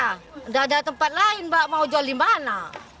tidak ada tempat lain mbak mau jual di mana